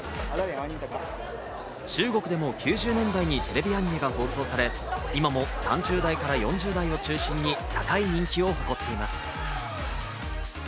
中国でも９０年代にテレビアニメが放送され、今も３０代から４０代を中心に高い人気を誇っています。